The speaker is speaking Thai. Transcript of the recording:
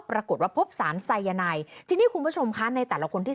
ปรากฏว่าพบสารไซยาไนทีนี้คุณผู้ชมคะในแต่ละคนที่